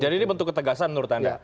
jadi ini bentuk ketegasan menurut anda